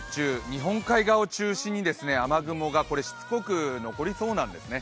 日本海側を中心に雨雲がしつこく残りそうなんですね。